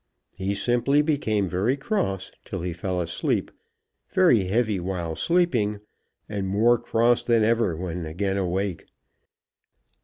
He simply became very cross till he fell asleep, very heavy while sleeping, and more cross than ever when again awake.